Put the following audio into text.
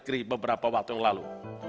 pak ali fikri beberapa waktu yang lalu